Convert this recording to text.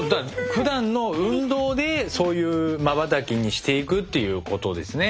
ふだんの運動でそういうまばたきにしていくっていうことですね。